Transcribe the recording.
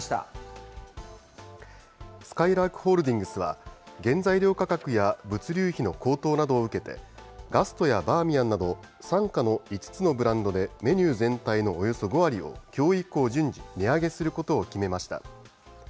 すかいらーくホールディングスは、原材料価格や物流費の高騰などを受けて、ガストやバーミヤンなど、傘下の５つのブランドでメニュー全体のおよそ５割を、きょう以降、順次値上げすることを決めました。